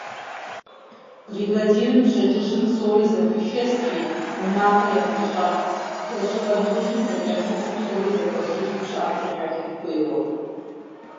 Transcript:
Бригадирым пщэдджыжьым псори зэхуишэсри, унафэ яхуищӀат, лэжьыгъэ нэужьым зэкӀэрымыхуу псори зэхуэсыжу пщыӀэм техьэжын хуейуэ.